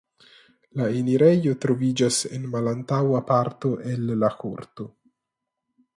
La enirejo troviĝas en malantaŭa parto el la korto.